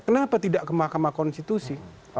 kenapa tidak ke mahkamah konstitusi